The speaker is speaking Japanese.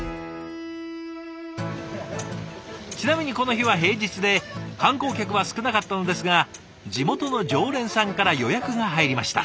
ちなみにこの日は平日で観光客は少なかったのですが地元の常連さんから予約が入りました。